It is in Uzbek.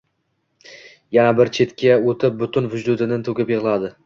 Yana bir chetga o`tib butun vujudi to`kilib yig`ladi